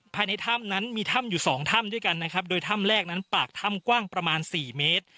ภายในถ้ำนั้นมีถ้ำอยู่สองถ้ำด้วยกันนะครับโดยถ้ำแรกนั้นปากถ้ำกว้างประมาณสี่เมตร